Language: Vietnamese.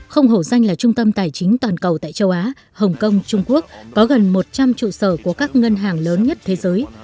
không hổ danh là trung tâm tài chính toàn cầu tại châu á hồng kông trung quốc có gần một trăm linh trụ sở của các ngân hàng lớn nhất thế giới